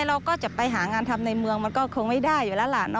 อีกอย่างก็จะไปหางานทำในเมืองก็คงไม่ได้อยู่แล้วเรา